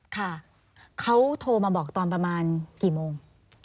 ค่ะเขาโทรมาบอกตอนประมาณกี่โมง